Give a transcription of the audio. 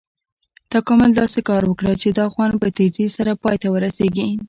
تکامل داسې کار وکړ چې دا خوند په تیزي سره پای ته ورسېږي.